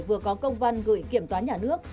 vừa có công văn gửi kiểm toán nhà nước